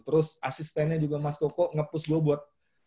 terus asistennya juga mas koko nge push gue buat